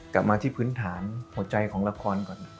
กลับมาที่พื้นฐานหัวใจของละครก่อน